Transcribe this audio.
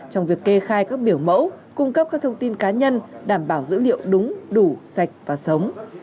trong việc kê khai các biểu mẫu cung cấp các thông tin cá nhân đảm bảo dữ liệu đúng đủ sạch và sống